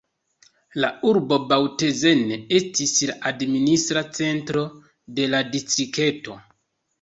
La urbo Bautzen estis la administra centro de la distrikto.